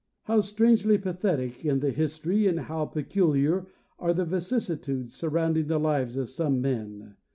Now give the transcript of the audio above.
How strangely pathetic is the history and how peculiar are the vicissitudes surrounding the lives of some men!